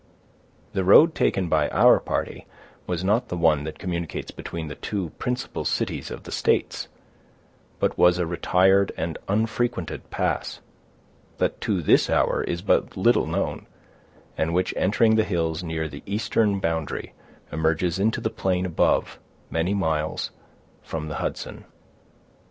The road taken by our party was not the one that communicates between the two principal cities of the states, but was a retired and unfrequented pass, that to this hour is but little known, and which, entering the hills near the eastern boundary, emerges into the plain above, many miles from the Hudson.